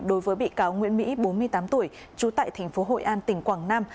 đối với bị cáo nguyễn mỹ bốn mươi tám tuổi trú tại thành phố hội an tỉnh quảng nam